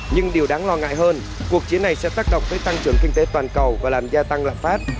nhưng điều đáng lo ngại hơn cuộc chiến này sẽ tác động tới tăng trưởng kinh tế toàn cầu và làm gia tăng lạm phát